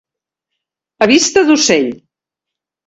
A vista d'ocell.